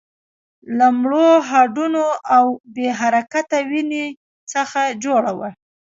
له مړو هډونو او بې حرکته وينې څخه جوړه وه.